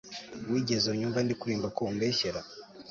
Wigeze unyumva ndikuririmba ko umbeshyera